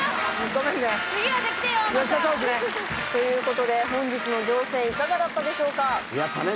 ごめんね次また来てよまたということで本日の乗船いかがだったでしょうか？